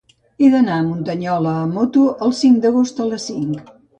He d'anar a Muntanyola amb moto el cinc d'agost a les cinc.